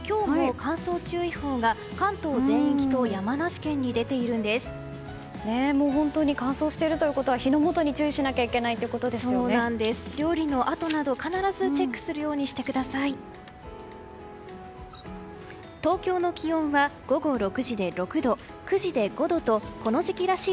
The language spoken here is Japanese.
乾燥しているということは火の元に料理のあとなど必ずチェックするようにしてください。